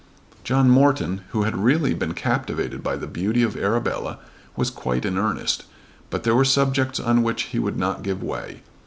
John Morton, who had really been captivated by the beauty of Arabella, was quite in earnest; but there were subjects on which he would not give way.